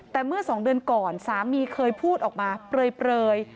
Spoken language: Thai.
แต่เมื่อ๒เดือนก่อนสามีเคยพูดออกมาเปลย